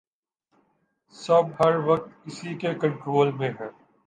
سب ہر وقت اسی کے کنٹرول میں ہیں